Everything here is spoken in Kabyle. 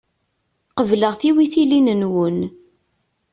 Qebleɣ tiwitilin-nwen.